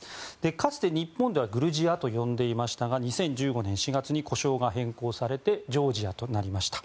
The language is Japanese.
かつて日本ではグルジアと呼んでいましたが２０１５年４月に呼称が変更されてジョージアとなりました。